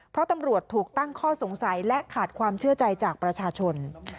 เพราะตำรวจถูกตั้งข้อสงสัยและขาดความเชื่อใจจากประชาชน